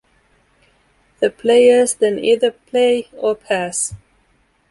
The players then either "play" or "pass.